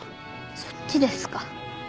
そっちですか。